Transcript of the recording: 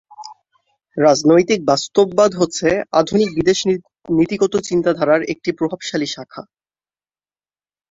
রাজনৈতিক বাস্তববাদ হচ্ছে আধুনিক বিদেশ নীতিগত চিন্তাধারার একটি প্রভাবশালী শাখা।